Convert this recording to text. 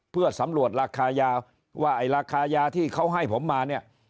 เพื่อสำรวจราคายาว่าไอ้ราคายาที่เขาให้ผมมาเนี่ย